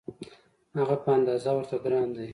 هغه په اندازه ورته ګران دی.